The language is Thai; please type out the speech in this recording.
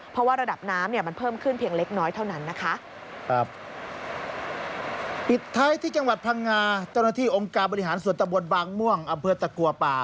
เพราะว่าระดับน้ำเนี่ยมันเพิ่มขึ้นเพียงเล็กน้อยเท่านั้นนะคะ